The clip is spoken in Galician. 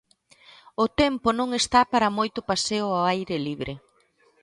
O tempo non está para moito paseo ao aire libre.